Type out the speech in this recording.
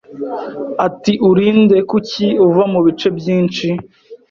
Ati Uri nde Kuki uva mubice byinshi